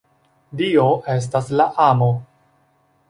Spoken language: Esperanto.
Dio estas la Amo.